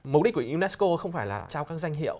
mục đích của unesco không phải là trao các danh hiệu